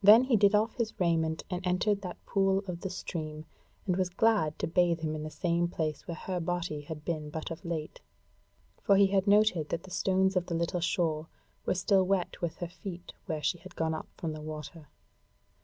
Then he did off his raiment and entered that pool of the stream, and was glad to bathe him in the same place where her body had been but of late; for he had noted that the stones of the little shore were still wet with her feet where she had gone up from the water.